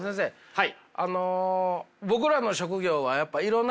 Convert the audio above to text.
はい。